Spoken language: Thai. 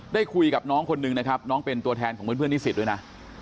ได้คุยกับน้องคนนึงนะครับน้องเป็นตัวแทนของเพื่อนนิสิตด้วยนะ